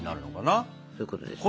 そういうことですね。